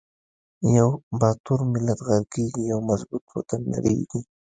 یو با تور ملت غر قیږی، یو مظبو ط وطن نړیزی